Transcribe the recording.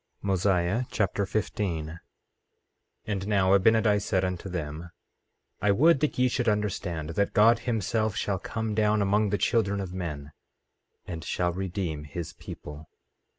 Mosiah Chapter 15 15:1 And now Abinadi said unto them: I would that ye should understand that God himself shall come down among the children of men, and shall redeem his people.